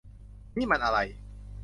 นี่มันอะไร ?